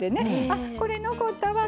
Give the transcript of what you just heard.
「あっこれ残ったわ。